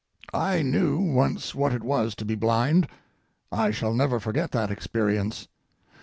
I knew once what it was to be blind. I shall never forget that experience.